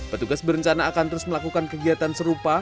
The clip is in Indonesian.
petugas berencana akan terus melakukan kegiatan serupa